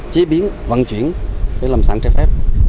chế biến vận chuyển lâm sản trái phép